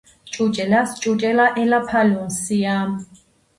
ჭუჭელას ჭუჭელა ელაფალუნსია.